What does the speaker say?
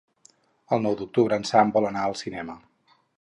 El nou d'octubre en Sam vol anar al cinema.